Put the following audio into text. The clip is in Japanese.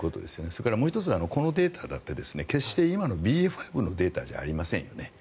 それからもう１つこのデータだって決して今のＢＡ．５のデータじゃありませんよね。